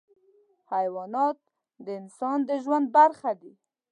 حیوانات د انسان د ژوند برخه دي.